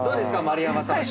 丸山さん